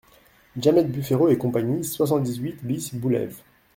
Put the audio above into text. Jamet Buffereau & Cie, soixante-dix-huit bis, boulev.